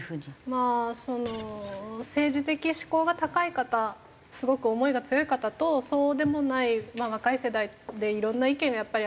まあその政治的思考が高い方すごく思いが強い方とそうでもない若い世代でいろんな意見がやっぱりありまして。